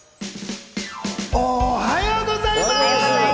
おはようございます！